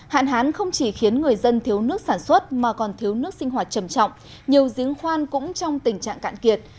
hạn hán không chỉ khiến người dân thiếu nước sản xuất mà còn thiếu nước sinh hoạt trầm trọng nhiều giếng khoan cũng trong tình trạng cạn kiệt